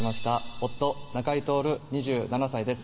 夫・中井亨２７歳です